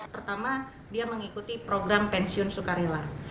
pertama dia mengikuti program pensiun sukarela